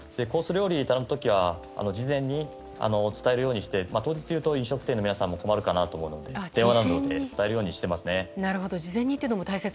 料理を頼む時は事前に伝えるようにしていて当日に言うと飲食店の皆さんも困るかなと思うので電話などで伝えるようにしていますね。